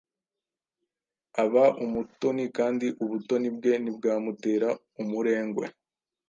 Aba umutoni kandi ubutoni bwe ntibwamutera umurengwe